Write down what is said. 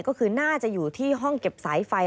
ก็คือน่าจะอยู่ที่ห้องเก็บสายไฟ